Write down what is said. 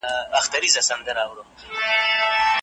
باطل تل د حق پر لاره خنډونه جوړوی.